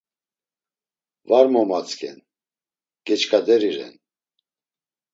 Va momatzk̆en, geç̆k̆aderi ren!